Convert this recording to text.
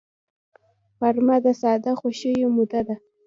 غرمه د ساده خوښیو موده ده